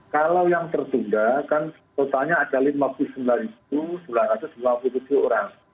kalau yang tertunda kan totalnya ada lima puluh sembilan sembilan ratus lima puluh tujuh orang